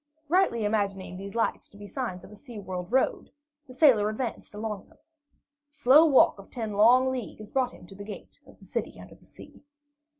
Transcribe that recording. Rightly imagining these lights to be signs of a sea world road, the sailor advanced along them. A slow walk of ten long leagues brought him to the gate of the City under the Sea.